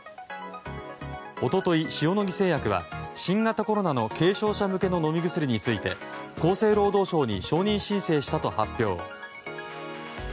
一昨日、塩野義製薬は新型コロナの軽症者向けの飲み薬について厚生労働省に承認申請したと発表。